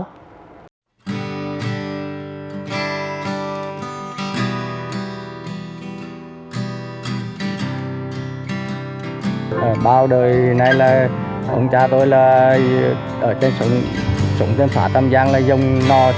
sau đó nơi nhà sáo được bắt ngươi có thể được làm đồ sáo tối đại thử thách về cơm chế bè làm sáng sáng bài